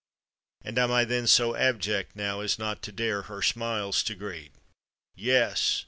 415 "And am I then so abject now As not to dare her smiles to greet? Yes